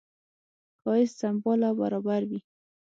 ښایست سمبال او برابر وي.